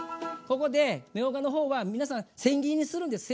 ここでみょうがの方は皆さんせん切りにするんです。